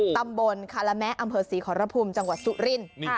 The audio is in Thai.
ตำบลคาระแมะอำเภอศรีขอรพุมจังหวัดสุรินทร์